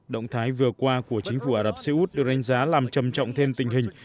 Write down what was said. động thái vừa qua của chính phủ ả rập xê út được đánh giá làm trầm trọng thêm tình hình